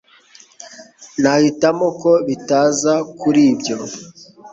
Nahitamo ko bitaza kuri ibyo